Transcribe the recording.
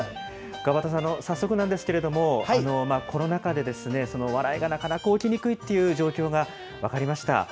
川畑さん、早速なんですけれども、コロナ禍で、笑いがなかなか起きにくいという状況が分かりました。